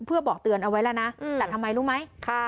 เพื่อบอกเตือนเอาไว้แล้วนะแต่ทำไมรู้ไหม